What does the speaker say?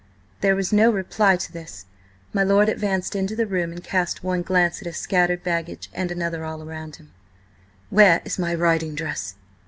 There was no reply to this. My lord advanced into the room and cast one glance at his scattered baggage and another all round him. "Where is my riding dress?"